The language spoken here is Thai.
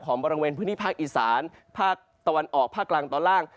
บริเวณพื้นที่ภาคอีสานภาคตะวันออกภาคกลางตอนล่าง